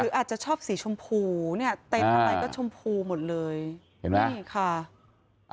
อาจจะชอบสีชมพูเนี่ยเต็มอะไรก็ชมพูหมดเลยเห็นไหมนี่ค่ะ